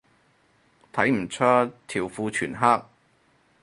睇唔出，條褲全黑